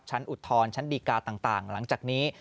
อุทธรณ์ชั้นดีกาต่างหลังจากนี้